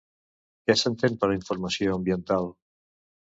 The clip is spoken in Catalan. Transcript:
Què s'entén per informació ambiental?